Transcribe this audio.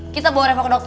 kita bawa reva ke dokter